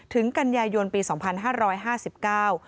กันยายนปีสองพันห้าร้อยห้าสิบเก้า